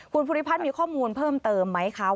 คุณภูริพัฒน์มีข้อมูลเพิ่มเติมไหมคะ